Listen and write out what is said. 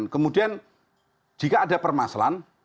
kemudian jika ada permasalahan